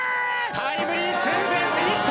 タイムリーツーベースヒット！